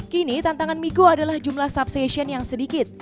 kini tantangan migo adalah jumlah substation yang sedikit